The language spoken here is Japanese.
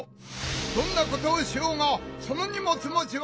どんなことをしようがその荷物もちは。